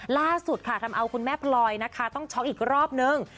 ล่าสุดค่ะทำเอาคุณแม่พลอยนะคะต้องช็อกอีกรอบนึง